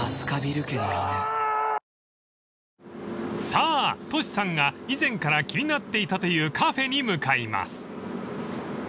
［さぁトシさんが以前から気になっていたというカフェに向かいます］